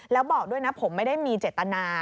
แล้วบอกด้วยนะผมไม่ได้มีเจตนา